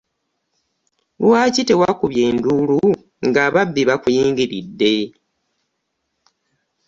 Lwaki tewakubye nduulu nga ababbi bakuyingiridde?